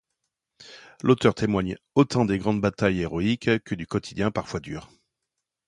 L'auteur témoigne autant des grandes batailles héroïques que du quotidien parfois dur.